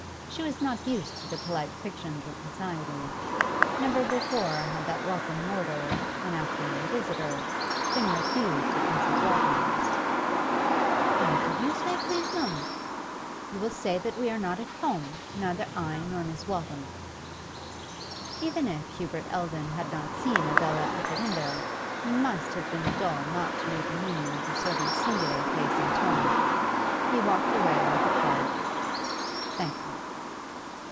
She was not used to the polite fictions of society; never before had that welcome mortal, an afternoon visitor, been refused at Mrs. Waltham's. 'What did you say, please, mum?' 'You will say that we are not at home, neither I nor Miss Waltham.' Even if Hubert Eldon had not seen Adela at the window he must have been dull not to read the meaning of the servant's singular face and tone. He walked away with a quiet 'Thank you.